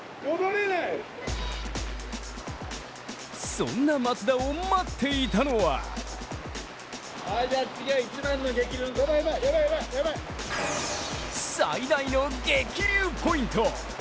そんな松田を待っていたのは最大の激流ポイント。